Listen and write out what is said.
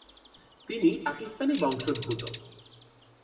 তিনি পাকিস্তানি বংশোদ্ভূত।